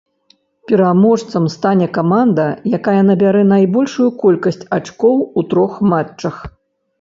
Пераможцам стане каманда, якая набярэ найбольшую колькасць ачкоў у трох матчах.